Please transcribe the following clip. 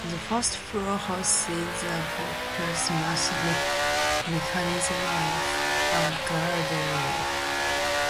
The first floor housed the portcullis mechanism and a garderobe.